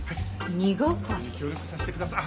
２係。協力させてください。